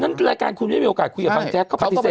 วันนั้นที่รายการไม่มีโอกาสคุยกับบังจัก